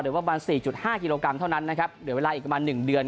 หรือว่าประมาณสี่จุดห้ากิโลกรัมเท่านั้นนะครับเดี๋ยวเวลาอีกประมาณหนึ่งเดือน